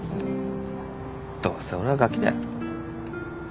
どうせ俺はがきだよ。